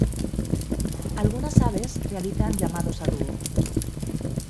Algunas aves realizan llamados a dúo.